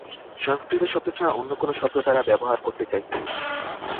সংস্কৃত শব্দ ছাড়া অন্য কোনো শব্দ তাঁরা ব্যবহার করতে চাইতেন না।